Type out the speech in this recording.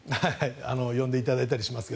呼んでいただいたりしますが。